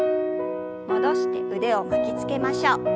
戻して腕を巻きつけましょう。